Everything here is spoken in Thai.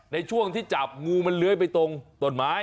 ในช่วงที่จับงูมันเลื้อยไปตรงต้นไม้